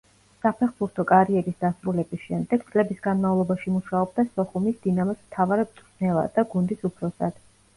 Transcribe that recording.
საფეხბურთო კარიერის დასრულების შემდეგ წლების განმავლობაში მუშაობდა სოხუმის „დინამოს“ მთავარ მწვრთნელად და გუნდის უფროსად.